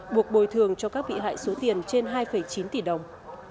buộc bồi thường cho các bị hại số tiền trên hai chín tỷ đồng